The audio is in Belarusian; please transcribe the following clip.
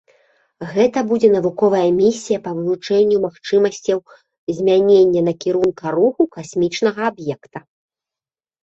Гэта будзе навуковая місія па вывучэнню магчымасцяў змянення накірунка руху касмічнага аб'екта.